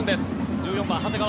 １４番、長谷川。